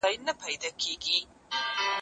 لاسپوڅي حکومتونه د ولس استازیتوب نه کوي.